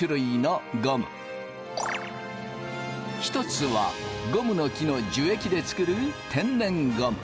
１つはゴムの木の樹液で作る天然ゴム。